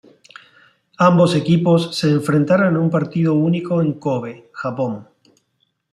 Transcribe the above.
Ambos equipos se enfrentaron en un partido único en Kōbe, Japón.